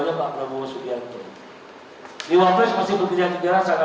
yang masih diinginkan untuk maju sebagai presiden tiga periode